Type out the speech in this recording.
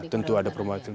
tentu ada perwakilan